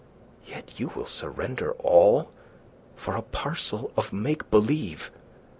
Yet you will surrender all for a parcel of make believe.